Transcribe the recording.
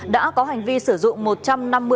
đã có hành vi sử dụng một trăm năm mươi